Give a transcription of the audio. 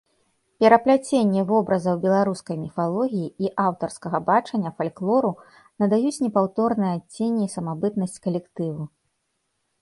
Перапляценне вобразаў беларускай міфалогіі і аўтарскага бачання фальклору надаюць непаўторнае адценне і самабытнасць калектыву.